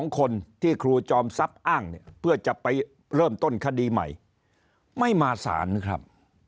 ๒คนที่ครูจอมซับอ้างเพื่อจะไปเริ่มต้นคดีใหม่ไม่มาสารนะครับ